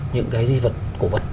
những cái di vật cổ vật